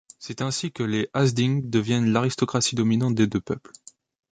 C'est ainsi que les Hasdings deviennent l'aristocratie dominante des deux peuples.